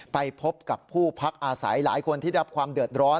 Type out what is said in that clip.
ไปพบกับผู้พักอาศัยหลายคนที่รับความเดือดร้อน